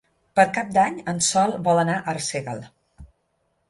Per Cap d'Any en Sol vol anar a Arsèguel.